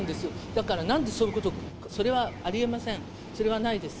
だからなんでそういうこと、それは、ありえません、それはないです。